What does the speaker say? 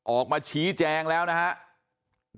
ออกมาชี้แจงแล้วนะครับ